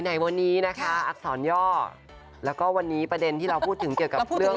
ในวันนี้นะคะอักษรย่อแล้วก็วันนี้ประเด็นที่เราพูดถึงเกี่ยวกับเรื่อง